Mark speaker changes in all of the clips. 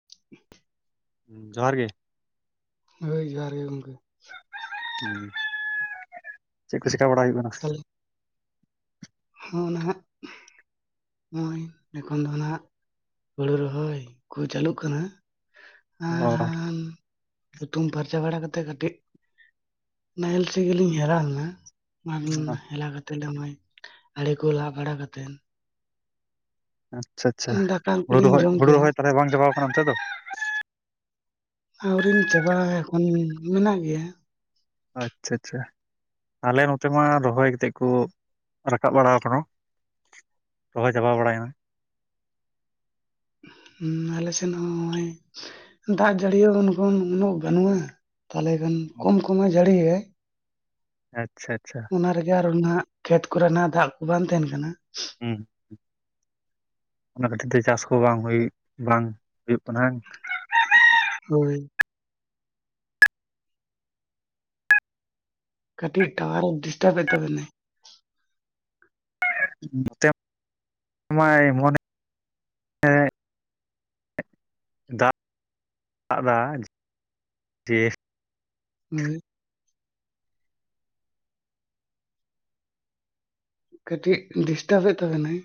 Speaker 1: [unintelligible]
Speaker 2: ᱡᱚᱦᱟᱨ ᱜᱤ ᱾
Speaker 1: ᱦᱳᱭ ᱡᱚᱦᱟᱨ ᱜᱮ ᱜᱚᱢᱠᱮ ᱾
Speaker 2: [unintelligible] ᱪᱮᱫ ᱠᱚ ᱪᱮᱠᱟ ᱵᱟᱲᱟᱭ ᱦᱩᱭᱩᱜ ᱠᱟᱱᱟ?
Speaker 1: ᱛᱟᱦᱚᱞᱮ [inaudible] ᱦᱩᱸ ᱱᱟᱦᱟᱜ ᱾ ᱱᱚᱜᱼᱚᱭ ᱮᱠᱷᱚᱱ ᱫᱚ ᱦᱟᱸᱜ ᱦᱩᱲᱩ ᱨᱚᱦᱚᱭ ᱠᱚ ᱪᱟᱹᱞᱩᱜ ᱠᱟᱱᱟ ᱾
Speaker 2: ᱚ ᱾
Speaker 1: ᱦᱩᱛᱩᱢ ᱯᱷᱟᱨᱪᱟ ᱵᱟᱲᱟ ᱠᱟᱛᱮᱜ ᱠᱟᱹᱴᱤᱡ ᱱᱟᱦᱮᱞ ᱥᱮ ᱜᱮᱞᱤᱧ ᱪᱟᱞᱟᱣ ᱞᱮᱱᱟ ᱾ [inaudible] ᱦᱮᱞᱟ ᱠᱟᱛᱮᱫ ᱫᱚ ᱢᱚᱭ ᱟᱲᱮ ᱠᱚ ᱞᱟ ᱵᱟᱲᱟ ᱠᱟᱛᱮᱫᱼᱼ
Speaker 2: ᱟᱪᱪᱷᱟ ᱟᱪᱪᱷᱟ
Speaker 1: ᱫᱟᱠᱟ
Speaker 2: ᱦᱩᱲᱩ
Speaker 1: ᱠᱚᱞᱤᱧ
Speaker 2: ᱨᱚᱦᱚᱭ
Speaker 1: ᱡᱚᱢ
Speaker 2: ᱦᱩᱲᱩ
Speaker 1: ᱠᱮᱜᱼᱟ
Speaker 2: ᱨᱚᱦᱚᱭ ᱛᱚᱦᱚᱞᱮ ᱵᱟᱝ ᱪᱟᱵᱟᱣᱟ ᱠᱟᱱᱟ ᱚᱱᱛᱮ ᱫᱚ?
Speaker 1: ᱟᱹᱣᱨᱤᱧ ᱪᱟᱵᱟᱭᱟ ᱮᱠᱷᱚᱱ ᱢᱮᱱᱟᱜ ᱜᱮᱭᱟ ᱾
Speaker 2: ᱟᱪᱪᱷᱟ ᱟᱪᱪᱷᱟ ᱾ ᱟᱞᱮ ᱱᱚᱛᱮ ᱢᱟ ᱨᱚᱦᱚᱭ ᱠᱟᱛᱮᱜ ᱠᱚ ᱨᱟᱠᱟᱵ ᱵᱟᱲᱟᱣ ᱟᱠᱟᱱᱟ ᱾ ᱦᱚᱭ ᱪᱟᱵᱟ ᱵᱟᱲᱟᱭᱟ ᱾
Speaker 1: ᱟᱞᱮᱥᱮᱫ ᱦᱚᱸ ᱱᱚᱜᱼᱚᱭ ᱫᱟᱜ ᱡᱟᱹᱲᱤ ᱩᱱ ᱠᱷᱚᱱ ᱩᱱᱟᱹᱜ ᱵᱟᱹᱱᱩᱜᱼᱟ ᱾ ᱛᱟᱦᱚᱞᱮ ᱠᱷᱟᱱ ᱠᱚᱢ ᱠᱚᱢᱮ ᱡᱟᱹᱲᱤᱭᱮᱼᱼ
Speaker 2: ᱟᱪᱪᱷᱟ ᱟᱪᱪᱷᱟ ᱾
Speaker 1: ᱚᱱᱟ ᱨᱮᱜᱮ ᱟᱨ ᱱᱟᱸᱜ ᱚᱱᱟ ᱠᱷᱮᱛ ᱠᱚᱨᱮᱱᱟᱜ ᱫᱟᱜ ᱠᱚ ᱵᱟᱝ ᱛᱟᱸᱦᱮᱱ ᱠᱟᱱᱟ ᱾
Speaker 2: ᱦᱩᱸ ᱚᱱᱟ ᱠᱷᱟᱹᱛᱤᱨ ᱛᱮ ᱪᱟᱥ ᱠᱚ ᱵᱟᱝ ᱦᱩᱭᱩᱜ, ᱵᱟᱝ ᱦᱩᱭᱩᱜ ᱠᱟᱱᱟ ᱾
Speaker 1: ᱦᱳᱭ ᱾ ᱠᱟᱹᱴᱤᱡ ᱴᱟᱣᱟᱨ ᱰᱤᱥᱴᱟᱵ ᱮᱫ ᱛᱟᱵᱮᱱᱟᱭ
Speaker 2: [inaudible] ᱢᱚᱱᱮ ᱫᱟᱜ [inaudible]
Speaker 1: ᱦᱳᱭ ᱠᱟᱴᱤᱡ ᱰᱤᱥᱴᱟᱵᱮᱫ ᱛᱟᱵᱮᱱᱟᱭ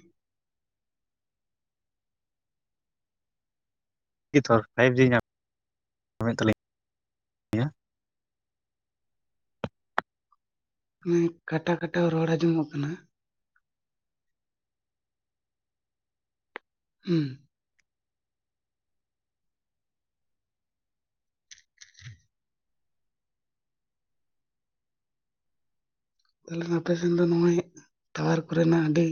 Speaker 2: ᱛᱷᱚᱲ ᱯᱷᱟᱭᱤᱵ ᱡᱤ ᱧᱟᱢ ᱛᱟᱹᱞᱤᱧᱟ
Speaker 1: ᱢᱟᱱᱮ ᱠᱟᱴᱟ ᱠᱟᱴᱟ ᱨᱚᱲ ᱟᱸᱡᱚᱢᱚᱜ ᱠᱟᱱᱟ ᱦᱩᱸ ᱛᱟᱦᱚᱞᱮ ᱟᱯᱮ ᱥᱮᱱ ᱫᱚ ᱱᱚᱜᱼᱚᱭ ᱴᱟᱣᱟᱨ ᱠᱚᱨᱮᱱᱟᱜ ᱟᱹᱰᱤ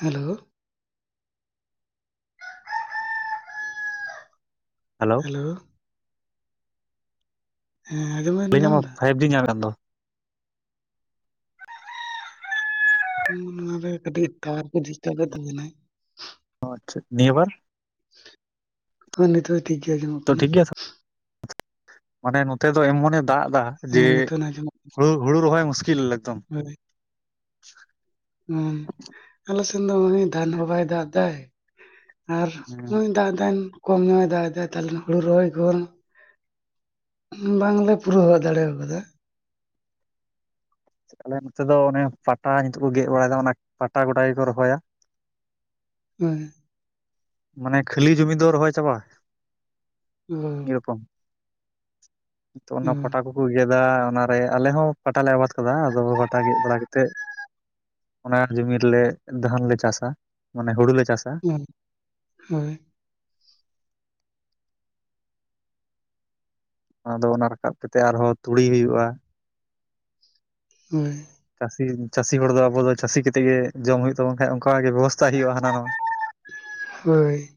Speaker 1: ᱦᱮᱞᱳ ᱦᱮᱞᱳ ᱦᱮᱸ ᱟᱸᱡᱚᱢ
Speaker 2: ᱟᱹᱞᱤᱧᱟᱜ
Speaker 1: ᱧᱟᱢ
Speaker 2: ᱢᱟ
Speaker 1: ᱮᱫᱟ
Speaker 2: ᱯᱷᱟᱭᱤᱵ ᱡᱤ ᱧᱟᱢ ᱠᱟᱱ ᱫᱚ᱾
Speaker 1: ᱩᱸᱻ ᱱᱚᱣᱟ ᱨᱮ ᱠᱟᱹᱴᱤᱡ ᱴᱟᱣᱟᱨ ᱠᱚ ᱰᱤᱥᱴᱟᱵᱮᱫ ᱛᱟᱵᱤᱱᱟᱭ ᱾
Speaker 2: ᱚ ᱟᱪᱪᱷᱟ ᱱᱤᱭᱟᱹ ᱵᱟᱨ
Speaker 1: ᱦᱳᱭ ᱱᱤᱛ ᱴᱷᱤᱠ ᱜᱮ ᱟᱸᱡᱚᱢᱚᱜ
Speaker 2: ᱛᱚ
Speaker 1: ᱠᱟᱱᱟ
Speaker 2: ᱴᱷᱤᱠ ᱜᱮᱭᱟ ᱥᱮ ᱢᱟᱱᱮ ᱱᱚᱛᱮ ᱫᱚ ᱮᱢᱚᱱᱮ ᱫᱟᱜ ᱮᱫᱟ ᱡᱮ
Speaker 1: ᱦᱮᱸ ᱱᱤᱛᱚᱜ ᱟᱸᱡᱚᱢᱚᱜ ᱠᱟᱱᱟ᱾
Speaker 2: ᱦᱩ ᱦᱩᱲᱩ ᱨᱚᱦᱚᱭ ᱢᱩᱥᱠᱤᱞ ᱮᱠᱫᱚᱢ᱾
Speaker 1: [unintelligible] ᱦᱩᱸ ᱟᱞᱮ ᱥᱮᱱ ᱫᱚ ᱩᱱᱤ ᱫᱟᱱ ᱦᱚᱸ ᱵᱟᱭ ᱫᱟᱜ ᱫᱟᱭ᱾ ᱟᱨ
Speaker 2: ᱦᱩᱸ,
Speaker 1: ᱱᱩᱭ ᱫᱟᱜ ᱫᱟᱭ ᱠᱚᱢ ᱧᱚᱜᱼᱮ ᱫᱟᱜ ᱫᱟᱭ ᱛᱟᱞᱦᱮ ᱦᱩᱲᱩ ᱨᱚᱦᱚᱭ ᱠᱚ ᱵᱟᱝᱞᱮ ᱯᱩᱨᱟᱹᱣ ᱫᱟᱲᱮᱣ ᱟᱠᱟᱫᱟ᱾
Speaker 2: ᱟᱞᱮ ᱱᱚᱛᱮ ᱫᱚ ᱚᱱᱮ ᱯᱟᱴᱟ ᱱᱤᱛᱚᱜ ᱠᱚ ᱜᱮᱫ ᱵᱟᱲᱟᱭᱮᱫᱟ ᱚᱱᱟ ᱯᱟᱴᱟ ᱜᱚᱰᱟ ᱜᱮᱠᱚ ᱨᱚᱦᱚᱭᱟ᱾
Speaker 1: ᱦᱳᱭ
Speaker 2: ᱢᱟᱱᱮ ᱠᱷᱟᱹᱞᱤ ᱡᱩᱢᱤ ᱫᱚ ᱨᱚᱦᱚᱭ ᱪᱟᱵᱟ?
Speaker 1: ᱦᱩ
Speaker 2: ᱮᱨᱚᱠᱚᱢ ᱛᱚ ᱚᱱᱟ ᱯᱚᱴᱟ ᱠᱚ ᱜᱮᱫᱟ ᱚᱱᱟᱨᱮ ᱟᱞᱮ ᱦᱚᱸ ᱯᱟᱴᱟ ᱞᱮ ᱟᱵᱟᱫ ᱠᱟᱫᱟ ᱟᱫᱚ ᱯᱟᱴᱟ ᱜᱮᱫ ᱵᱟᱲᱟ ᱠᱟᱛᱮᱫ ᱚᱱᱟ ᱡᱩᱢᱤ ᱨᱮᱞᱮ ᱫᱷᱟᱱ ᱞᱮ ᱪᱟᱥᱟ ᱢᱟᱱᱮ ᱦᱩᱲᱩᱞᱮ ᱪᱟᱥᱟ᱾
Speaker 1: ᱦᱳᱭ
Speaker 2: ᱟᱫᱚ ᱚᱱᱟ ᱨᱟᱠᱟᱵ ᱠᱟᱛᱮ ᱟᱨᱦᱚᱸ ᱛᱩᱲᱤ ᱦᱩᱭᱩᱜᱼᱟ᱾
Speaker 1: ᱦᱳᱭ
Speaker 2: ᱪᱟᱹᱥᱤ ᱪᱟᱹᱥᱤ ᱦᱚᱲ ᱫᱚ ᱟᱵᱚ ᱫᱚ ᱪᱟᱹᱥᱤ ᱠᱟᱛᱮᱜ ᱜᱮ ᱡᱚᱢ ᱦᱩᱭᱩᱜ ᱛᱟᱵᱚᱱ ᱠᱷᱟᱡ ᱚᱱᱠᱟᱜ ᱜᱮ ᱵᱮᱵᱚᱥᱛᱷᱟ ᱦᱩᱭᱩᱜᱼᱟ ᱦᱟᱱᱟ ᱱᱟᱣᱟ ᱾
Speaker 1: ᱦᱳᱭ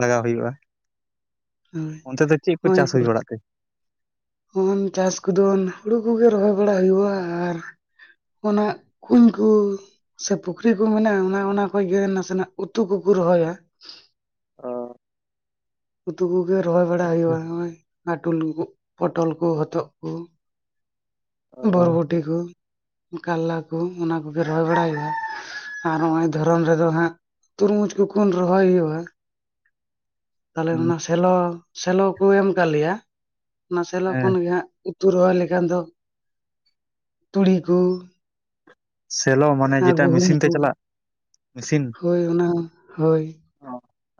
Speaker 2: ᱞᱟᱜᱟᱣ ᱦᱩᱭᱩᱜᱼᱟ
Speaker 1: ᱦᱳᱭ
Speaker 2: ᱚᱱᱛᱮ ᱫᱚ ᱪᱮᱫ ᱠᱚ ᱪᱟᱥ ᱦᱩᱭ ᱵᱟᱲᱟᱜ ᱛᱮ?
Speaker 1: ᱩᱢ ᱪᱟᱥ ᱠᱚᱫᱚ ᱦᱩᱲᱩ ᱠᱚᱜᱮ ᱨᱚᱦᱚᱭ ᱵᱟᱲᱟ ᱦᱩᱭᱩᱜᱼᱟ ᱟᱨ ᱚᱱᱟ ᱠᱩᱧ ᱠᱚ ᱥᱮ ᱯᱩᱠᱷᱨᱤ ᱠᱚ ᱢᱮᱱᱟᱜᱼᱟ ᱚᱱᱟ ᱚᱱᱟ ᱠᱷᱚᱡ ᱜᱮ ᱱᱟᱥᱮᱱᱟᱜ ᱩᱛᱩ ᱠᱚᱠᱚ ᱨᱚᱦᱚᱭᱟ ᱾
Speaker 2: ᱚ
Speaker 1: ᱩᱛᱩ ᱠᱚᱜᱮ ᱨᱚᱦᱚᱭ ᱵᱟᱲᱟ
Speaker 2: ᱟᱪᱪᱷᱟ,
Speaker 1: ᱦᱩᱭᱩᱜᱼᱟ ᱱᱚᱜᱼᱚᱭ ᱦᱟᱴᱩᱞ ᱠᱚ ᱚ ᱯᱚᱴᱚᱞ ᱠᱚ ᱦᱚᱛᱚᱫ ᱠᱚ।
Speaker 2: ᱚ
Speaker 1: ᱵᱚᱨᱵᱷᱚᱴᱤ ᱠᱩ। ᱠᱟᱞᱞᱟ ᱠᱚ ᱚᱱᱟ ᱠᱚᱜᱮ ᱨᱚᱦᱚᱭ ᱵᱟᱲᱟ ᱦᱩᱭᱩᱜᱼᱟ ᱟᱨ ᱱᱚᱜᱼᱚᱭ ᱫᱷᱚᱨᱚᱱ ᱨᱮᱫᱚ ᱦᱟᱸᱜ ᱛᱩᱨᱢᱩᱡᱽ ᱠᱚ ᱠᱩᱱ ᱨᱚᱦᱚᱭ ᱦᱩᱭᱩᱜᱼᱟ ᱛᱟᱞᱦᱮ
Speaker 2: ᱦᱩᱸ,
Speaker 1: ᱚᱱᱟ ᱥᱮᱞᱚ ᱥᱮᱞᱚ ᱠᱚ ᱮᱢ ᱠᱟᱜ ᱞᱮᱭᱟ ᱚᱱᱟ ᱥᱮᱞᱚ
Speaker 2: ᱦᱮᱸ
Speaker 1: ᱠᱷᱚᱱᱜᱮ ᱦᱟᱸᱜ ᱩᱛᱩ ᱨᱚᱦᱚᱭ ᱞᱮᱠᱷᱟᱱ ᱫᱚᱼᱼ ᱛᱩᱲᱤ ᱠᱩ
Speaker 2: ᱥᱮᱞᱚ ᱢᱟᱱᱮ ᱡᱮᱴᱟ
Speaker 1: ᱜᱩᱦᱩᱢ
Speaker 2: ᱢᱮᱥᱤᱱ ᱛᱮ
Speaker 1: ᱠᱚ
Speaker 2: ᱪᱟᱞᱟᱜ ᱢᱤᱥᱤᱱᱼᱼ
Speaker 1: ᱦᱳᱭ ᱚᱱᱟ ᱦᱳᱭ
Speaker 2: ᱚᱜ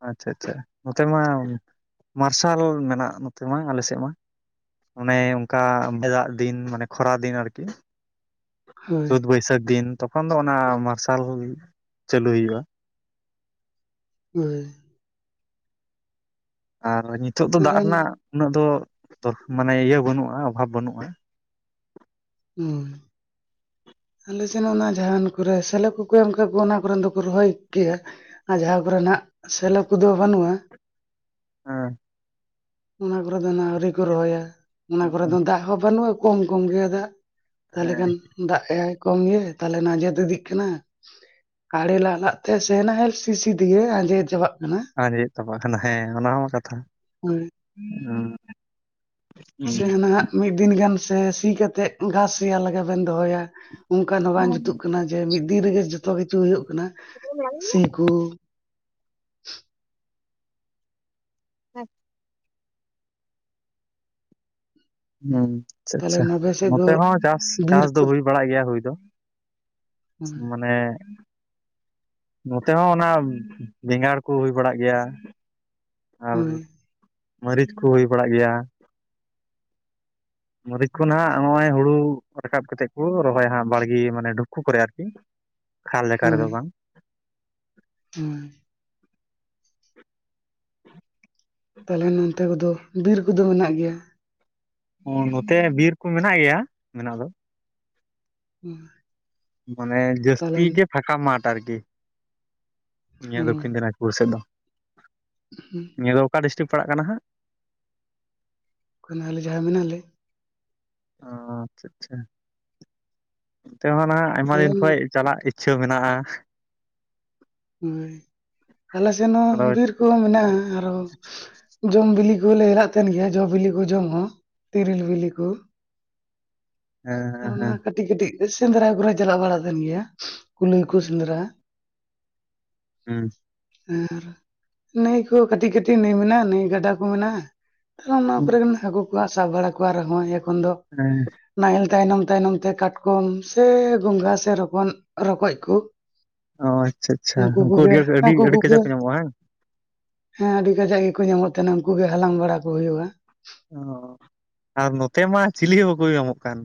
Speaker 2: ᱟᱪᱪᱷᱟ ᱟᱪᱪᱷᱟ ᱱᱚᱛᱮ ᱢᱟ ᱢᱟᱨᱥᱟᱞ ᱢᱮᱱᱟᱜ ᱱᱚᱛᱮ ᱢᱟ ᱟᱞᱮ ᱥᱮᱫ ᱢᱟ ᱚᱱᱮ ᱚᱱᱠᱟ ᱵᱮᱫᱟᱜ ᱫᱤᱱ ᱢᱟᱱᱮ ᱠᱷᱚᱨᱟ ᱫᱤᱱ ᱟᱨᱠᱤᱼᱼ
Speaker 1: ᱦᱳᱭ
Speaker 2: ᱪᱟᱹᱛ ᱵᱟᱹᱭᱥᱟᱹᱠ ᱫᱤᱱ ᱛᱚᱠᱷᱚᱱ ᱫᱚ ᱚᱱᱟ ᱢᱟᱨᱥᱟᱞ ᱪᱟᱹᱞᱩ ᱦᱤᱭᱩᱜᱼᱟ
Speaker 1: ᱦᱮᱸ
Speaker 2: ᱟᱨ ᱱᱤᱛᱚᱜ ᱫᱚ ᱫᱟᱜ
Speaker 1: ᱨᱟᱱ
Speaker 2: ᱨᱮᱱᱟᱜ ᱩᱱᱟᱹᱜ ᱫᱚ ᱛᱚ ᱢᱟᱱᱮ ᱤᱭᱟᱹ ᱵᱟᱹᱱᱩᱜᱼᱟ ᱚᱵᱷᱟᱵ ᱵᱟᱹᱱᱩᱜᱼᱟ
Speaker 1: ᱦᱩᱸ ᱟᱞᱮ ᱥᱮᱱ ᱚᱱᱟ ᱡᱟᱦᱟᱱ ᱠᱚᱨᱮ ᱥᱮᱞᱳ ᱠᱚᱠᱚ ᱮᱢ ᱠᱟᱜ ᱠᱚ ᱚᱱᱟ ᱠᱚ ᱨᱮᱱ ᱫᱚᱠᱚ ᱨᱚᱦᱚᱭ ᱠᱮᱜᱼᱟ ᱟᱨ ᱡᱟᱦᱟᱸ ᱠᱚᱨᱮ ᱱᱟᱜ ᱦᱟᱸᱜ ᱥᱮᱞᱚ ᱠᱚᱫᱚ ᱵᱟᱹᱱᱩᱜᱼᱟ
Speaker 2: ᱦᱩᱸ
Speaker 1: ᱚᱱᱟ ᱠᱚᱨᱮ ᱫᱚ ᱦᱟᱸᱜ ᱟᱹᱣᱨᱤ ᱠᱚ ᱨᱚᱦᱚᱭᱟ ᱚᱱᱟ ᱠᱚᱨᱮ ᱫᱚ ᱫᱟᱜ ᱦᱚᱸ ᱵᱟᱹᱱᱩᱜᱼᱟ ᱠᱚᱢ ᱠᱚᱢ ᱜᱮᱭᱟ ᱫᱟᱜ ᱛᱟᱦᱚᱞᱮ
Speaker 2: ᱦᱮᱸ
Speaker 1: ᱠᱷᱟᱱ ᱫᱟᱜ ᱮᱭᱟ ᱠᱚᱢ ᱜᱮᱭᱟ ᱛᱟᱦᱞᱮ ᱚᱱᱟ ᱟᱡᱮᱫ ᱤᱫᱤᱜ ᱠᱟᱱᱟ ᱟᱲᱮ ᱞᱟᱜ ᱞᱟᱜ ᱛᱮ ᱥᱮᱱ ᱟᱨ ᱥᱤᱼᱥᱤ ᱛᱮᱜᱮ ᱟᱸᱡᱮᱫ ᱪᱟᱵᱟᱜ ᱠᱟᱱᱟ
Speaker 2: ᱟᱨ ᱦᱩᱭᱩᱜ ᱛᱟᱠᱚᱣᱟ ᱟᱨ ᱦᱮᱸ ᱚᱱᱟ ᱦᱚᱸ ᱠᱟᱛᱷᱟ
Speaker 1: ᱦᱳᱭ ᱥᱮ ᱱᱷᱟᱜ ᱢᱤᱫ ᱫᱤᱱ ᱜᱟᱱ ᱥᱮ ᱥᱤ ᱠᱟᱛᱮᱜ ᱜᱷᱟᱥ ᱥᱮᱭᱟ ᱞᱟᱜᱟ ᱵᱮᱱ ᱫᱚᱦᱚᱭᱟ ᱚᱱᱠᱟ ᱫᱚ ᱵᱟᱝ ᱡᱩᱛᱩᱜ ᱠᱟᱱᱟ ᱡᱮ ᱢᱤᱫ ᱫᱤᱱ ᱨᱮᱜᱮ ᱡᱚᱛᱚ ᱠᱤᱪᱷᱩ ᱦᱩᱭᱩᱜ ᱠᱟᱱᱟ ᱥᱤ ᱠᱩᱼᱼ [inaudible]
Speaker 2: ᱦᱮᱸ ᱦᱩᱸ ᱟᱪᱪᱷᱟ
Speaker 1: ᱛᱟᱦᱞᱮ
Speaker 2: ᱟᱪᱪᱷᱟ
Speaker 1: ᱱᱟᱵᱮ ᱥᱮᱫ ᱫᱚ
Speaker 2: ᱱᱚᱛᱮ ᱦᱚᱸ ᱪᱟᱥ
Speaker 1: ᱵᱤᱨ
Speaker 2: ᱪᱟᱥ ᱫᱚ
Speaker 1: ᱠᱚ
Speaker 2: ᱦᱩᱭ ᱵᱟᱲᱟᱜ ᱜᱮᱭᱟ ᱦᱩᱭ ᱫᱚᱼᱼ ᱢᱟᱱᱮ ᱱᱚᱛᱮ ᱦᱚᱸ ᱚᱱᱟ ᱵᱮᱸᱜᱟᱲ ᱠᱚ ᱦᱩᱭ ᱵᱟᱲᱟᱜ ᱜᱮᱭᱟ ᱟᱨ
Speaker 1: ᱦᱩᱸ
Speaker 2: ᱢᱟᱹᱨᱤᱪ ᱠᱚ ᱦᱩᱭ ᱵᱟᱲᱟᱜ ᱜᱮᱭᱟ
Speaker 1: [inaudible]
Speaker 2: ᱢᱟᱹᱨᱤᱪ ᱠᱚ ᱱᱷᱟᱸᱜ ᱱᱚᱜᱼᱚᱭ ᱦᱩᱲᱩ ᱨᱟᱠᱟᱵ ᱠᱟᱛᱮᱫ ᱠᱚ ᱨᱚᱦᱚᱭᱟ ᱦᱟᱸᱜ ᱵᱟᱲᱜᱮ ᱢᱟᱱᱮ ᱰᱩᱷᱩ ᱠᱚᱨᱮ ᱟᱨᱠᱤ ᱠᱷᱟᱞ ᱞᱮᱠᱟᱨ ᱨᱮᱫᱚ ᱵᱟᱝ
Speaker 1: ᱦᱩᱸ ᱛᱟᱦᱞᱮ ᱱᱚᱱᱛᱮ ᱠᱚ ᱫᱚ ᱵᱤᱨ ᱠᱚᱫᱚ ᱢᱮᱱᱟᱜ ᱜᱮᱭᱟ
Speaker 2: ᱚ ᱱᱚᱛᱮ ᱵᱤᱨ ᱠᱚ ᱢᱮᱱᱟᱜ ᱜᱮᱭᱟ ᱢᱮᱱᱟᱜ ᱫᱚ
Speaker 1: ᱦᱩᱸ
Speaker 2: ᱢᱟᱱᱮ ᱡᱟᱹᱥᱛᱤ ᱜᱮ ᱯᱷᱟᱸᱠᱟ ᱢᱟᱴᱷ ᱟᱨᱠᱤ ᱱᱤᱭᱟᱹ ᱫᱚᱠᱷᱤᱱ ᱫᱤᱱᱟᱡᱽᱼᱼ [unintelligible]
Speaker 1: ᱦᱩᱸ
Speaker 2: ᱱᱤᱭᱟᱹ ᱫᱚ ᱚᱠᱟ ᱰᱤᱥᱴᱨᱤᱠ ᱯᱟᱲᱟᱜ ᱠᱟᱱᱟ ᱦᱟᱸᱜ?
Speaker 1: ᱚᱱᱟ ᱟᱞᱮ ᱡᱟᱦᱟᱸ ᱢᱮᱱᱟᱜ ᱞᱮ?
Speaker 2: ᱚ ᱟᱪᱪᱷᱟ ᱟᱪᱪᱷᱟ ᱱᱚᱛᱮ ᱦᱚᱸ ᱟᱠᱟᱜᱼᱟ ᱟ ᱟᱭᱢᱟ
Speaker 1: ᱟᱞᱮ
Speaker 2: ᱫᱤᱱ ᱠᱷᱚᱡ
Speaker 1: ᱱᱚ-
Speaker 2: ᱪᱟᱞᱟᱜ ᱤᱪᱪᱷᱟᱹ ᱢᱮᱱᱟᱜᱼᱟ
Speaker 1: ᱦᱳᱭ ᱟᱞᱮ ᱥᱮᱫ ᱦᱚᱸ
Speaker 2: ᱟᱫᱚ
Speaker 1: ᱵᱤᱨ ᱠᱚᱦᱚᱸ ᱢᱮᱱᱟᱜᱼᱟ ᱟᱨᱚᱼᱼ ᱡᱚᱢ ᱵᱤᱞᱤ ᱠᱚᱞᱮ ᱮᱨᱟᱜ ᱛᱟᱦᱮᱱ ᱜᱮᱭᱟ ᱡᱚ ᱵᱤᱞᱤ ᱠᱚ ᱡᱚᱢ ᱦᱚᱸ ᱛᱤᱨᱤᱞ ᱵᱤᱞᱤ ᱠᱚ
Speaker 2: ᱦᱮᱸ
Speaker 1: ᱟᱨ ᱚᱱᱟ
Speaker 2: ᱦᱮᱸ
Speaker 1: ᱠᱟᱹᱴᱤᱡ ᱠᱟᱹᱴᱤᱡ ᱥᱮᱸᱫᱽᱨᱟ ᱠᱚᱞᱮ ᱪᱟᱞᱟᱜ ᱵᱟᱲᱟᱜ ᱛᱟᱦᱮᱱ ᱜᱮᱭᱟ ᱠᱩᱞᱟᱹᱭ ᱠᱚ ᱥᱮᱸᱫᱽᱨᱟ
Speaker 2: ᱦᱩᱸ
Speaker 1: ᱟᱨ ᱱᱟᱹᱭ ᱠᱚ ᱠᱟᱹᱴᱤᱡ ᱠᱟᱹᱴᱤᱡ ᱱᱟᱹᱭ ᱢᱮᱱᱟᱜᱼᱟ ᱱᱟᱹᱭ ᱜᱟᱰᱟ ᱠᱚ ᱢᱮᱱᱟᱜᱼᱟ, ᱟᱫᱚ ᱱᱚᱣᱟ
Speaker 2: ᱦᱮᱸ
Speaker 1: ᱠᱚᱨᱮᱱ ᱦᱟᱹᱠᱩ ᱠᱚᱣᱟ ᱥᱟᱵ ᱵᱟᱲᱟ ᱠᱚᱣᱟ ᱟᱨᱦᱚᱸ ᱮᱠᱷᱚᱱ ᱫᱚ
Speaker 2: ᱦᱮᱸ᱾
Speaker 1: ᱱᱟᱦᱮᱞ ᱛᱟᱭᱱᱚᱢ ᱛᱟᱭᱱᱚᱢ ᱛᱮ ᱠᱟᱴᱠᱚᱢ ᱥᱮ ᱜᱚᱸᱜᱟ ᱥᱮ ᱨᱚᱠᱚᱱ ᱨᱚᱠᱚᱡ ᱠᱩ,
Speaker 2: ᱚ ᱟᱪᱪᱷᱟ ᱟᱪᱪᱷᱟ ᱩᱱᱠᱩ ᱟᱹᱰᱤ ᱟᱹᱰᱤ
Speaker 1: ᱦᱟᱹᱠᱩ
Speaker 2: ᱟᱹᱰᱤ
Speaker 1: ᱠᱚᱜᱮ
Speaker 2: ᱠᱟᱡᱟᱠ ᱠᱚ ᱧᱟᱢᱚᱜᱼᱟ ᱦᱮᱸ?
Speaker 1: ᱦᱮᱸ ᱟᱹᱰᱤ ᱠᱟᱡᱟᱠ ᱜᱮᱠᱚ ᱧᱟᱢᱚᱜ ᱛᱟᱦᱮᱸᱱᱟ, ᱩᱱᱠᱩ ᱜᱮ ᱦᱟᱞᱟᱝ ᱵᱟᱲᱟ ᱠᱚ ᱦᱩᱭᱩᱜᱼᱟ᱾
Speaker 2: ᱚ ᱟᱨ ᱱᱚᱛᱮ ᱢᱟ ᱪᱤᱞᱤ ᱦᱚᱸ ᱵᱟᱠᱚ ᱧᱟᱢᱚᱜ ᱠᱟᱱ᱾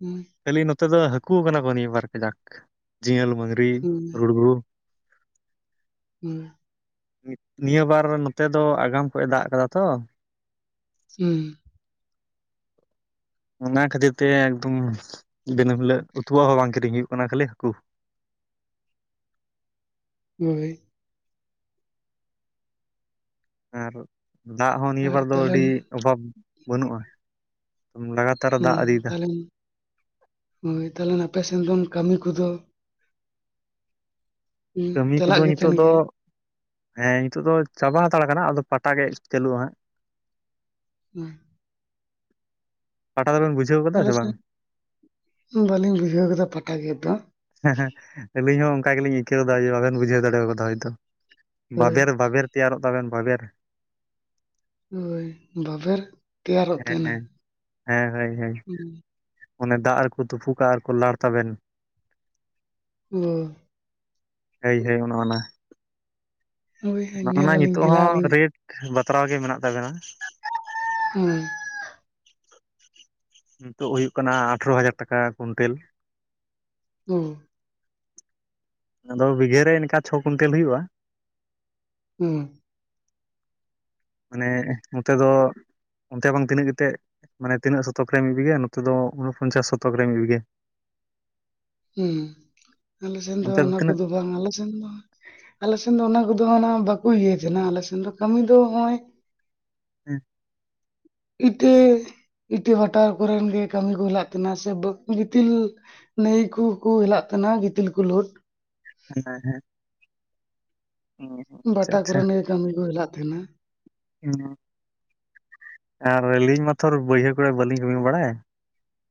Speaker 1: ᱦᱩᱸ᱾
Speaker 2: ᱠᱷᱟᱹᱞᱤ ᱱᱚᱛᱮ ᱫᱚ ᱦᱟᱹᱠᱩ ᱠᱟᱱᱟ ᱠᱚ ᱵᱟᱨ ᱠᱟᱡᱟᱠ ᱡᱤᱭᱟᱹᱞ, ᱢᱟᱝᱜᱨᱤ,
Speaker 1: ᱦᱩᱸ
Speaker 2: ᱨᱩᱲᱜᱩ,
Speaker 1: ᱦᱩᱸ᱾
Speaker 2: ᱱᱤᱭᱟᱹ ᱵᱟᱨ ᱱᱚᱛᱮ ᱫᱚ ᱟᱜᱟᱢ ᱠᱷᱚᱡ ᱮ ᱫᱟᱜ ᱠᱟᱫᱟ ᱛᱚ,
Speaker 1: ᱦᱩᱸ᱾
Speaker 2: ᱚᱱᱟ ᱠᱷᱟᱹᱛᱤᱨ ᱛᱮ ᱮᱠᱫᱚᱢ ᱫᱤᱱᱟᱹᱢ ᱦᱤᱞᱟᱹᱜ ᱩᱛᱩᱣᱟᱜ ᱦᱚᱸ ᱵᱟᱝ ᱠᱤᱨᱤᱧ ᱦᱩᱭᱩᱜ ᱠᱟᱱᱟ ᱠᱷᱟᱹᱞᱤ ᱦᱟᱹᱠᱩ ᱾
Speaker 1: ᱦᱳᱭ᱾
Speaker 2: ᱟᱨ ᱫᱟᱜ ᱦᱚᱸ ᱱᱤᱭᱟᱹ
Speaker 1: ᱟᱨ
Speaker 2: ᱵᱟᱨ ᱫᱚ
Speaker 1: ᱛᱟᱦᱞᱮᱱ
Speaker 2: ᱟᱹᱰᱤ ᱚᱵᱷᱟᱵᱽ ᱵᱟᱹᱱᱩᱜᱼᱟ, ᱞᱟᱜᱟᱛ
Speaker 1: ᱦᱮᱸ ᱛᱟᱦᱚᱞᱮ ᱦᱳᱭ ᱛᱟᱦᱚᱞᱮ ᱟᱯᱮᱥᱮᱱ ᱫᱚ ᱠᱟᱹᱢᱤ ᱠᱚᱫᱚ? ᱦᱩᱸ
Speaker 2: ᱠᱟᱹᱢᱤ ᱠᱚᱫᱚ
Speaker 1: ᱪᱟᱞᱟᱜ ᱜᱮ
Speaker 2: ᱱᱤᱛᱚᱜ
Speaker 1: ᱛᱟᱦᱮᱱ
Speaker 2: ᱫᱚ
Speaker 1: ᱜᱮᱭᱟ
Speaker 2: ᱦᱮᱸ ᱱᱤᱛᱚᱜ ᱫᱚ ᱪᱟᱵᱟ ᱦᱟᱛᱟᱲ ᱠᱟᱱᱟ ᱟᱫᱚ ᱯᱟᱴᱟ ᱜᱮ ᱪᱟᱹᱞᱩᱜᱼᱟ ᱦᱟᱸᱜ᱾
Speaker 1: [inaudible]
Speaker 2: ᱯᱟᱴᱟ ᱫᱚᱵᱮᱱ ᱵᱩ
Speaker 1: ᱟᱞᱮᱥᱮᱫ ᱵᱟᱹᱞᱤᱧ ᱵᱩᱡᱷᱟᱹᱣ ᱠᱮᱫᱟ ᱯᱟᱴᱟ ᱜᱮᱫ ᱫᱚ ᱦᱟᱸᱜ᱾
Speaker 2: ᱦᱮᱸ ᱦᱮᱸ ᱟᱹᱞᱤᱧ ᱦᱚᱸ ᱚᱝᱠᱟ ᱜᱮᱞᱤᱧ ᱟᱹᱭᱠᱟᱹᱣ ᱫᱟ ᱡᱮ ᱵᱟᱵᱮᱱ ᱵᱩᱡᱷᱟᱹᱣ ᱫᱟᱲᱮᱣ ᱠᱟᱫᱟ ᱦᱳᱭ ᱛᱚ᱾
Speaker 1: ᱦᱳᱭ
Speaker 2: ᱵᱟᱵᱮᱨ ᱵᱟᱵᱮᱨ ᱛᱮᱭᱟᱨᱚᱜ ᱛᱟᱵᱮᱱ ᱵᱟᱵᱮᱨ,
Speaker 1: ᱦᱳᱭ ᱵᱟᱵᱮᱨ ᱛᱮᱭᱟᱨᱚᱜ
Speaker 2: ᱦᱮᱸ
Speaker 1: ᱛᱟᱦᱮᱸᱱᱟ?
Speaker 2: ᱦᱮᱸ ᱦᱮᱸ ᱦᱳᱭ ᱦᱳᱭ᱾
Speaker 1: ᱩᱸ᱾
Speaker 2: ᱚᱱᱮ ᱫᱟᱜ ᱨᱮᱠᱚ ᱛᱩᱯᱩ ᱠᱟᱜᱼᱟ ᱟᱨᱠᱚ ᱞᱟᱲ ᱛᱟᱵᱮᱱ,
Speaker 1: ᱚ᱾
Speaker 2: ᱦᱳᱭ ᱦᱳᱭ ᱚᱱᱮ ᱚᱱᱟ᱾
Speaker 1: ᱦᱳᱭ
Speaker 2: ᱚᱱᱟ ᱚᱱᱟ
Speaker 1: ᱧᱮᱞ ᱟᱹᱞᱤᱧ
Speaker 2: ᱱᱤᱛᱚᱜ
Speaker 1: ᱠᱷᱮᱞᱟ
Speaker 2: ᱦᱚᱸ
Speaker 1: ᱟᱹᱞᱤᱧ
Speaker 2: ᱨᱮᱴ ᱵᱟᱛᱨᱟᱣ ᱜᱮ ᱢᱮᱱᱟᱜ ᱛᱟᱵᱮᱱᱟ᱾
Speaker 1: ᱦᱩᱸ᱾
Speaker 2: ᱱᱤᱛᱚᱜ ᱦᱩᱭᱩᱜ ᱠᱟᱱᱟ ᱟᱴᱷᱮᱨᱚ ᱦᱟᱡᱟᱨ ᱴᱟᱠᱟ ᱠᱩᱭᱮᱱᱴᱮᱞ ᱾
Speaker 1: ᱚ᱾
Speaker 2: ᱟᱫᱚ ᱵᱤᱜᱷᱟᱹ ᱨᱮ ᱤᱱᱠᱟ ᱪᱷᱚ ᱠᱩᱭᱮᱱᱴᱮᱞ ᱦᱩᱭᱩᱜᱼᱟ᱾
Speaker 1: ᱦᱮᱸ᱾
Speaker 2: ᱢᱟᱱᱮ ᱱᱚᱛᱮ ᱫᱚ ᱚᱱᱛᱮ ᱵᱟᱝ ᱛᱤᱱᱟᱹᱜ ᱠᱟᱛᱮ ᱢᱟᱱᱮ ᱤᱱᱟᱹᱜ ᱥᱚᱛᱚᱠ ᱨᱮ ᱢᱤᱫ ᱵᱤᱜᱷᱟᱹ ᱜᱮᱭᱟ ᱱᱚᱛᱮ ᱫᱚ ᱯᱚᱧᱪᱟᱥ ᱥᱚᱛᱚᱠ ᱨᱮ ᱢᱤᱫ ᱵᱤᱜᱷᱟᱹ᱾
Speaker 1: ᱦᱩᱸ ᱟᱞᱮ ᱥᱮᱱ ᱫᱚ
Speaker 2: ᱚᱱᱛᱮ
Speaker 1: ᱚᱱᱟ
Speaker 2: ᱛᱤᱱᱟᱹᱜ
Speaker 1: ᱠᱚᱫᱚ ᱵᱟᱝ ᱟᱞᱮ ᱥᱮᱱ ᱫᱚ ᱟᱞᱮᱥᱮᱱ ᱫᱚ ᱚᱱᱟ ᱠᱚᱫᱚ ᱱᱟᱸᱜ ᱵᱟᱠᱚ ᱤᱭᱟᱭ ᱛᱟᱦᱮᱸᱱᱟ ᱟᱞᱮᱥᱮᱱ ᱫᱚ ᱠᱟᱹᱢᱤ ᱫᱚ ᱱᱚᱜᱼᱚᱭ
Speaker 2: [inaudible]
Speaker 1: ᱤᱴᱟᱹ ᱤᱴᱟᱹ ᱵᱷᱟᱴᱟ ᱠᱚᱨᱮᱱ ᱜᱮ ᱠᱟᱹᱢᱤ ᱠᱚ ᱦᱮᱞᱟᱜ ᱛᱟᱦᱮᱸᱱᱟ ᱥᱮ ᱵᱟᱠᱤ ᱜᱤᱛᱤᱞ ᱱᱟᱹᱭ ᱠᱩᱠᱩ ᱦᱮᱞᱟᱜ ᱛᱟᱦᱮᱸᱱᱟ ᱜᱤᱛᱤᱞ ᱠᱩ ᱞᱩᱰ᱾
Speaker 2: ᱦᱟᱸᱱᱮ ᱦᱮᱸ᱾ ᱟᱪᱪᱷᱟ
Speaker 1: ᱵᱟᱴᱟ
Speaker 2: ᱟᱪᱪᱷᱟ
Speaker 1: ᱠᱚᱨᱮ ᱱᱟᱹᱭ ᱠᱟᱹᱢᱤ ᱠᱚ ᱦᱮᱞᱟᱜ ᱛᱟᱦᱮᱸᱱᱟ᱾
Speaker 2: ᱦᱩᱸ ᱟᱨ ᱟᱹᱞᱤᱧ ᱢᱟ ᱛᱷᱚᱨ ᱵᱟᱹᱭᱦᱟᱹᱲ ᱠᱚᱨᱮ ᱵᱟᱹᱞᱤᱧ ᱠᱟᱹᱢᱤ ᱵᱟᱲᱟᱭ᱾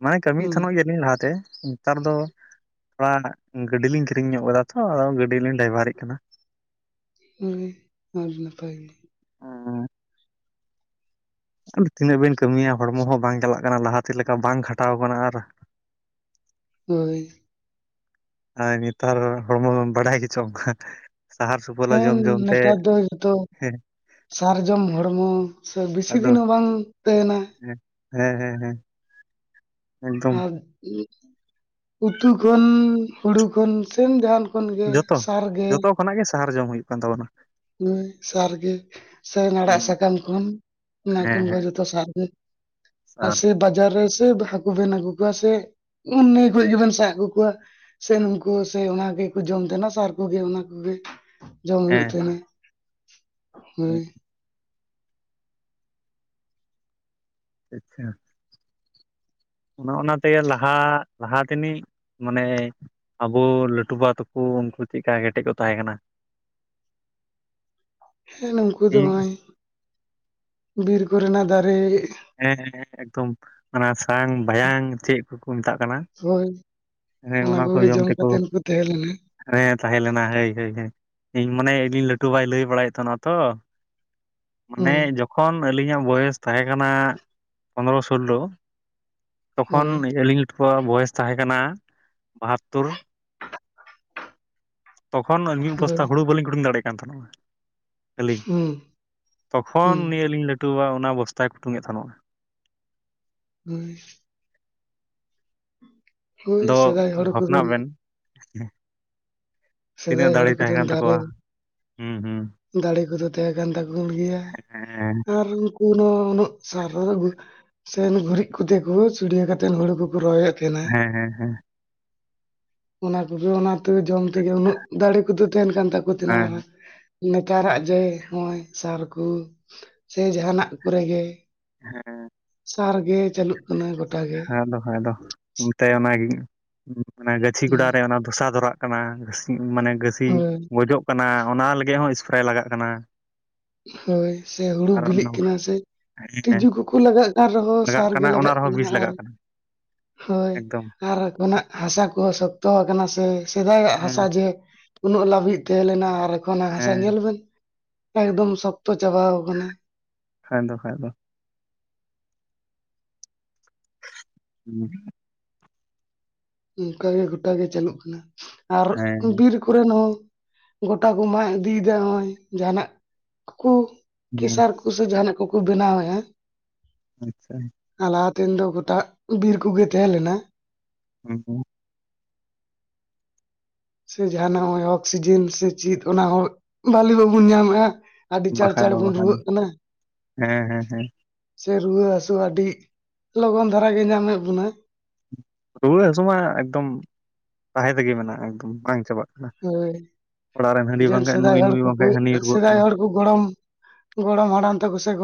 Speaker 2: ᱢᱟᱱᱮ ᱠᱟᱹᱢᱤᱭᱮᱫ
Speaker 1: ᱦᱮᱸ
Speaker 2: ᱛᱟᱦᱮᱱᱚᱜ ᱜᱮᱭᱟᱞᱤᱧ ᱞᱟᱦᱟᱛᱮ᱾ ᱱᱮᱛᱟᱨ ᱫᱚ ᱛᱷᱚᱲᱟ ᱜᱟᱹᱰᱤ ᱞᱤᱧ ᱠᱤᱨᱤᱧ ᱧᱚᱜ ᱟᱠᱟᱫᱟ ᱛᱷᱚ, ᱟᱫᱚ ᱜᱟᱹᱰᱤᱞᱤᱧ ᱰᱟᱭᱵᱷᱟᱨᱤᱜ ᱠᱟᱱᱟ᱾
Speaker 1: ᱡᱳᱭ ᱟᱹᱰᱤ ᱱᱟᱯᱟᱭ ᱜᱮ᱾
Speaker 2: ᱚᱸ᱾ ᱛᱤᱱᱟᱹᱜ ᱵᱮᱱ ᱠᱟᱹᱢᱤᱭᱟ ᱦᱚᱲᱢᱚ ᱦᱚᱸ ᱵᱟᱝ ᱪᱟᱞᱟᱜ ᱠᱟᱱᱟ ᱞᱟᱦᱟᱛᱮ ᱞᱮᱠᱟ ᱵᱟᱝ ᱠᱷᱟᱴᱟᱣ ᱠᱟᱱᱟ ᱟᱨ᱾
Speaker 1: ᱦᱳᱭ᱾
Speaker 2: ᱟᱨ ᱱᱮᱛᱟᱨ ᱦᱚᱲᱢᱚ ᱵᱟᱲᱟᱭ ᱜᱮ ᱪᱚᱢ᱾
Speaker 1: ᱦᱮᱸ ᱱᱮᱛᱟᱨ ᱫᱚ ᱦᱚᱭᱛᱚ
Speaker 2: ᱦᱮᱸ
Speaker 1: ᱥᱟᱨᱡᱚᱢ ᱦᱚᱲᱢᱚ ᱥᱮ ᱵᱮᱥᱤ
Speaker 2: ᱟᱫᱚ
Speaker 1: ᱫᱤᱱ ᱦᱚᱸ ᱵᱟᱝ ᱛᱟᱦᱮᱱᱟ᱾
Speaker 2: ᱦᱮᱸ ᱦᱮᱸ ᱦᱮᱸ ᱦᱮᱸ᱾ ᱮᱠᱫᱚᱢ
Speaker 1: ᱟᱨ ᱩᱛᱩ ᱠᱷᱚᱱ, ᱦᱩᱲᱩ ᱠᱷᱚᱱ ᱥᱮᱢ ᱡᱟᱦᱟᱱ ᱠᱷᱚᱱ ᱜᱮ
Speaker 2: ᱡᱷᱚᱛᱚ
Speaker 1: ᱥᱟᱨᱜᱮ
Speaker 2: ᱡᱷᱚᱛᱚ ᱠᱷᱚᱱᱟᱜ ᱜᱮ ᱥᱟᱦᱟᱨ ᱡᱚᱢ ᱦᱩᱭᱩᱜ ᱠᱟᱱ ᱛᱟᱵᱚᱱᱟ᱾
Speaker 1: ᱦᱳᱭ ᱥᱟᱨ ᱜᱮ᱾ ᱥᱮᱧ ᱱᱟᱲᱟᱜ
Speaker 2: ᱦᱩᱸ
Speaker 1: ᱥᱟᱠᱟᱢ ᱠᱷᱚᱱ ᱚᱱᱟ ᱠᱷᱚᱱ ᱚᱱᱟ
Speaker 2: ᱦᱮᱸ
Speaker 1: ᱠᱷᱚᱱ ᱠᱚ
Speaker 2: ᱦᱮᱸ
Speaker 1: ᱡᱷᱚᱛᱚ ᱥᱟᱨ ᱜᱮ, ᱟ
Speaker 2: ᱥᱟᱨ
Speaker 1: ᱥᱮ ᱵᱟᱡ ᱵᱟᱡᱟᱨ ᱨᱮ ᱥᱮ ᱦᱟᱠᱩ ᱵᱮᱱ ᱟᱹᱜᱩ ᱠᱚᱣᱟ ᱥᱮ ᱩ ᱱᱟᱹᱭ ᱠᱠᱷᱚᱡ ᱜᱮᱵᱮᱱ ᱥᱟᱵ ᱟᱜᱩ ᱠᱚᱣᱟ᱾ ᱥᱮ ᱱᱩᱝᱠᱩ ᱥᱮ ᱚᱱᱟ ᱜᱮᱠᱚ ᱡᱚᱢ ᱛᱟᱦᱮᱱᱟ ᱥᱟᱨ ᱠᱚᱜᱮ ᱚᱱᱟ ᱠᱚᱜᱮ ᱡᱚᱢ ᱦᱩᱭᱩᱜ
Speaker 2: ᱦᱮᱸ
Speaker 1: ᱛᱟᱦᱮᱱᱟ᱾ ᱦᱳᱭ᱾
Speaker 2: ᱟᱪᱪᱷᱟ᱾ ᱚᱱᱮ ᱚᱱᱟ ᱛᱮᱜᱮ ᱞᱟᱦᱟ ᱞᱟᱦᱟ ᱛᱮᱱᱤᱡ ᱢᱟᱱᱮ ᱟᱵᱚ ᱞᱟᱹᱴᱩ ᱵᱟ ᱛᱟᱠᱚ ᱩᱱᱠᱩ ᱪᱮᱫᱠᱟ ᱠᱮᱴᱮᱡ ᱠᱚ ᱛᱟᱦᱮᱸ ᱠᱟᱱᱟ?
Speaker 1: ᱦᱮᱸ ᱱᱩᱝᱠᱩ ᱫᱚ
Speaker 2: ᱤᱧ
Speaker 1: ᱦᱚᱜ-ᱚᱭ ᱵᱤᱨ ᱠᱚᱨᱮᱱᱟᱜ ᱫᱟᱨᱮ
Speaker 2: ᱦᱮᱸ ᱮᱠᱫᱚᱢ ᱚᱱᱟ ᱥᱟᱝ ᱵᱟᱭᱟᱝ ᱪᱮᱫ ᱠᱚᱠᱚ ᱢᱮᱛᱟᱜ ᱠᱟᱱᱟ?
Speaker 1: ᱦᱳᱭ᱾
Speaker 2: ᱦᱮᱸ
Speaker 1: ᱚᱱᱟ
Speaker 2: ᱠᱚ
Speaker 1: ᱠᱚᱜᱮ ᱡᱚᱢ
Speaker 2: ᱛᱮᱠᱚ
Speaker 1: ᱠᱟᱛᱮᱱ ᱠᱚ ᱛᱟᱦᱮᱸ ᱞᱮᱱᱟ᱾
Speaker 2: ᱦᱮᱸ ᱛᱟᱦᱮᱸᱞᱮᱱᱟ ᱦᱳᱭ ᱦᱳᱭ ᱦᱳᱭ᱾ ᱤᱧ ᱢᱟᱱᱮ ᱤᱧᱤᱧ ᱞᱟᱹᱴᱩᱵᱟᱭ ᱞᱟᱹᱭ ᱵᱟᱲᱟᱭᱮᱫ ᱛᱟᱦᱮᱱᱚ-ᱟ ᱛᱚ᱾
Speaker 1: [inaudible]
Speaker 2: ᱢᱟᱱᱮ ᱡᱚᱠᱷᱚᱱ ᱟᱹᱞᱤᱧᱟᱜ ᱵᱚᱭᱮᱥ ᱛᱟᱦᱮᱸ ᱠᱟᱱᱟ ᱯᱚᱱᱨᱚ-ᱥᱳᱞᱞᱳ ᱛᱚᱠᱷᱚᱱ
Speaker 1: ᱦᱳᱭ
Speaker 2: ᱟᱹᱞᱤᱧ ᱞᱟᱹᱴᱩ ᱠᱚᱣᱟᱜ ᱵᱚᱭᱮᱥ ᱛᱟᱦᱮᱸ ᱠᱟᱱᱟ ᱵᱟᱦᱟᱛᱛᱳᱨ᱾ ᱛᱚᱠᱷᱚᱱ ᱢᱤᱫ
Speaker 1: ᱦᱳᱭ
Speaker 2: ᱚᱵᱚᱥᱛᱟ ᱦᱩᱲᱩ ᱵᱟᱹᱞᱤᱧ [unintelligible] ᱫᱟᱲᱮᱭᱟᱜ ᱠᱟᱱ ᱛᱟᱦᱮᱱᱥ-ᱟ ᱟᱹᱞᱤᱧ᱾
Speaker 1: ᱦᱩᱸ
Speaker 2: ᱛᱚᱠᱷᱚᱱ
Speaker 1: ᱦᱩᱸ
Speaker 2: ᱱᱤᱭᱟᱹ ᱟᱞᱤᱧ ᱞᱟᱹᱴᱩᱵᱟ ᱚᱱᱟ ᱵᱚᱥᱛᱟᱭ ᱠᱩᱴᱩᱝ ᱮᱫ ᱛᱟᱦᱮᱱᱚ-ᱟ᱾
Speaker 1: ᱦᱳᱭ᱾ ᱦᱳᱭ
Speaker 2: ᱟᱫᱚ
Speaker 1: ᱥᱮᱫᱟᱭ ᱦᱚᱲ ᱠᱚᱫᱚ
Speaker 2: ᱵᱷᱟᱵᱽᱱᱟᱜ ᱵᱮᱱ᱾ ᱛᱤᱱᱟᱹᱜ
Speaker 1: ᱥᱮᱫᱟᱭ ᱦᱚᱲ
Speaker 2: ᱫᱟᱲᱮ ᱛᱟᱦᱮᱸ
Speaker 1: ᱠᱚᱫᱚ
Speaker 2: ᱠᱟᱱ
Speaker 1: ᱫᱟᱨᱮ
Speaker 2: ᱛᱟᱠᱚᱣᱟ, ᱦᱩᱸ ᱦᱩᱸ᱾
Speaker 1: ᱫᱟᱲᱮ ᱠᱚᱫᱚ ᱛᱟᱦᱮᱸ ᱠᱟᱱ ᱛᱟᱠᱚ ᱜᱮᱭᱟ᱾
Speaker 2: ᱦᱮᱸᱻ᱾
Speaker 1: [unintelligible] ᱥᱮᱱ ᱜᱩᱨᱤᱡ ᱠᱷᱚᱫᱮ ᱠᱚ ᱪᱷᱩᱲᱭᱟᱹ ᱠᱟᱛᱮᱱ ᱦᱩᱲᱩ ᱠᱚᱠᱚ ᱨᱚᱦᱚᱭᱮᱫ ᱮᱱᱟ᱾
Speaker 2: ᱦᱮᱸ ᱦᱮᱸ ᱦᱮᱸ
Speaker 1: ᱟᱨ ᱛᱚᱵᱮ ᱚᱱᱟ ᱠᱚᱜᱮ ᱚᱱᱟ ᱛᱮ ᱫᱚ ᱡᱚᱢ ᱛᱮᱜᱮ ᱩᱱᱟᱹᱜ ᱫᱟᱲᱮ ᱠᱚᱫᱚ ᱛᱟᱦᱮᱱ ᱠᱟᱱ ᱛᱟᱠᱚ ᱛᱟᱦᱮᱱᱟ
Speaker 2: ᱦᱮᱸ
Speaker 1: ᱟᱨᱦᱚ᱾ ᱱᱮᱛᱟᱨᱟᱜ ᱡᱮ ᱦᱚᱜ-ᱚᱭ ᱥᱟᱨ ᱠᱚ ᱥᱮ ᱡᱟᱦᱱᱟᱜ ᱠᱚᱨᱮ ᱜᱮ
Speaker 2: ᱦᱮᱸ᱾
Speaker 1: ᱥᱟᱨ ᱜᱮ ᱪᱟᱹᱞᱩᱜ ᱠᱟᱱᱟ ᱜᱚᱴᱟ ᱜᱮ᱾
Speaker 2: ᱦᱮᱸ ᱟᱫᱚ ᱦᱟᱸᱭ ᱟᱫᱚ᱾ ᱚᱱᱛᱮ ᱚᱱᱟᱜᱮ ᱚᱱᱟ ᱜᱟᱹᱪᱷᱤ ᱜᱚᱰᱟ ᱨᱮ ᱚᱱᱟ ᱫᱷᱚᱥᱟ ᱫᱷᱚᱨᱟᱜ ᱠᱟᱱᱟ ᱜᱷᱟᱹᱥ ᱢᱟᱱᱮ ᱜᱟᱹᱥᱤ
Speaker 1: ᱦᱳᱭ
Speaker 2: ᱜᱚᱡᱚᱜ ᱠᱟᱱᱟ ᱚᱱᱟ ᱞᱟᱹᱜᱤᱫ ᱦᱚᱸ ᱥᱯᱨᱮ ᱞᱟᱜᱟᱜ ᱠᱟᱱᱟ᱾
Speaker 1: ᱦᱳᱭ ᱥᱮ ᱦᱩᱲᱩ
Speaker 2: ᱟᱨ
Speaker 1: ᱵᱤᱞᱤᱜ ᱠᱟᱱᱟ ᱥᱮ
Speaker 2: ᱦᱮᱸ
Speaker 1: ᱛᱤᱡᱩ ᱠᱚᱠᱚ ᱞᱟᱜᱟᱜ ᱠᱟᱱ ᱨᱮᱦᱚᱸ ᱥᱟᱨᱜᱮ
Speaker 2: ᱠᱟᱱᱟ ᱚᱱᱟ
Speaker 1: ᱞᱟᱜᱟᱜ
Speaker 2: ᱨᱮᱦᱚᱸ
Speaker 1: ᱠᱟᱱᱟ,
Speaker 2: ᱵᱤᱥ
Speaker 1: ᱟᱨ
Speaker 2: ᱞᱟᱜᱟᱜ
Speaker 1: ᱦᱳᱭ
Speaker 2: ᱮᱠᱫᱚᱢ
Speaker 1: ᱟᱨ ᱠᱷᱚᱱᱟᱜ ᱦᱟᱥᱟ ᱠᱚᱦᱚᱸ ᱥᱚᱠᱛᱚᱣ ᱠᱟᱱᱟ ᱥᱮ, ᱥᱮᱫᱟᱭᱟᱜ
Speaker 2: ᱦᱮᱸ
Speaker 1: ᱦᱟᱥᱟ ᱡᱮ ᱩᱱᱟᱹᱜ ᱞᱟᱹᱵᱤᱫ ᱛᱟᱦᱮᱸ ᱞᱮᱱᱟ ᱟᱨ ᱮᱠᱷᱚᱱᱟᱜ ᱦᱟᱥᱟ
Speaker 2: ᱦᱮᱸ
Speaker 1: ᱧᱮᱞ ᱵᱮᱱ᱾ ᱮᱠᱫᱚᱢ ᱥᱚᱠᱛᱚ ᱪᱟᱵᱟᱣ ᱠᱟᱱᱟ᱾
Speaker 2: ᱦᱮᱸ ᱫᱚ ᱠᱷᱟᱡ ᱫᱚ ᱾ ᱩᱸ᱾
Speaker 1: ᱚᱝᱠᱟᱜ ᱜᱮ ᱜᱚᱴᱟ ᱜᱮ ᱪᱟᱹᱟᱞᱩᱜ ᱠᱟᱱᱟ, ᱟᱨ
Speaker 2: ᱦᱮᱸ
Speaker 1: ᱵᱤᱨ ᱠᱚᱨᱮᱱ ᱦᱚᱸ ᱜᱚᱴᱟ ᱠᱚ ᱢᱟᱜ ᱤᱫᱤᱭᱫᱟ ᱦᱚᱜ-ᱚᱭ ᱡᱟᱦᱟᱸᱱᱟᱜ ᱠᱩ
Speaker 2: ᱦᱮᱸ
Speaker 1: ᱠᱤᱥᱟᱨ ᱠᱚᱥᱮ ᱡᱟᱦᱟᱸᱱᱟᱜ ᱠᱩᱠᱩ ᱵᱮᱱᱟᱣᱮᱫᱼᱟ,
Speaker 2: ᱟᱪᱪᱷᱟ᱾
Speaker 1: ᱟᱨ ᱞᱟᱦᱟᱛᱮᱱ ᱫᱚ ᱜᱚᱴᱟ ᱵᱤᱨ ᱠᱚᱜᱮ ᱛᱟᱦᱮᱸ ᱞᱮᱱᱟ,
Speaker 2: ᱦᱮᱸ [inaudible]
Speaker 1: ᱥᱮ ᱡᱟᱦᱟᱸᱱᱟᱜ ᱦᱚᱸᱜ-ᱚᱭ ᱚᱠᱥᱤᱡᱮᱱ ᱥᱮ ᱪᱮᱫ ᱚᱱᱟ ᱦᱚᱸ ᱵᱷᱟᱞᱤ ᱵᱟᱵᱚᱱ ᱧᱟᱢᱮᱜᱼᱟ, ᱟᱹᱰᱤ ᱪᱟᱬ
Speaker 2: ᱵᱟᱠᱷᱟᱡ
Speaker 1: ᱪᱟᱬ
Speaker 2: ᱫᱚ
Speaker 1: ᱵᱚᱱ
Speaker 2: ᱵᱟᱠᱷᱟᱡ ᱫᱚ
Speaker 1: ᱨᱩᱣᱟᱹᱜ ᱠᱟᱱᱟ᱾
Speaker 2: ᱦᱮᱸ ᱦᱮᱸ ᱦᱮᱸ
Speaker 1: ᱥᱮ ᱨᱩᱣᱟᱹ ᱦᱟᱹᱥᱩ ᱟᱹᱰᱤ ᱞᱚᱜᱚᱱ ᱫᱷᱟᱨᱟ ᱜᱮ ᱧᱟᱢᱮᱫ ᱵᱚᱱᱟ᱾
Speaker 2: ᱨᱩᱣᱟᱹ ᱦᱟᱹᱥᱩ ᱢᱟ ᱮᱠᱫᱚᱢ ᱛᱟᱦᱮᱸ ᱛᱮᱜᱮ ᱢᱮᱱᱟᱜᱼᱟ ᱮᱠᱫᱚᱢ ᱵᱟᱝ ᱪᱟᱵᱟᱜ ᱠᱟᱱᱟ
Speaker 1: ᱦᱳᱭ
Speaker 2: ᱚᱲᱟᱜ ᱨᱮᱱ ᱦᱟᱺᱰᱤ
Speaker 1: ᱡᱮᱱ
Speaker 2: ᱵᱟᱝᱠᱷᱟᱡ
Speaker 1: ᱥᱮᱫᱟᱭ
Speaker 2: ᱱᱩᱭ
Speaker 1: ᱦᱚᱲ
Speaker 2: ᱱᱩᱭ
Speaker 1: ᱠᱚ ᱠᱩ
Speaker 2: ᱵᱟᱝᱠᱷᱟᱡ ᱦᱟᱹᱱᱤ ᱨᱩᱣᱟᱹᱜ
Speaker 1: ᱥᱮᱫᱟᱭ
Speaker 2: ᱠᱟᱱᱟ
Speaker 1: ᱦᱚᱲ ᱠᱩ ᱜᱚᱲᱚᱢ ᱜᱚᱲᱚᱢ ᱦᱟᱲᱟᱢ ᱛᱟᱠᱚ ᱥᱮ ᱜᱚᱲᱚᱢ